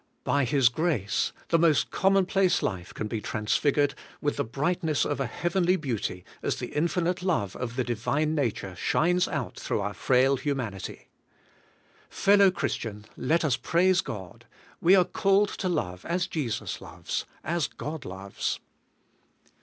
By His grace, the most commonplace life can be transfigured 198 ABIDE IN CHRIST. with the brightness of a heavenly beauty, as the infi nite love of the Divine nature shines out through our frail humanity. Fellow Christian, let us praise God ! We are called to love as Jesus loves, as God loves.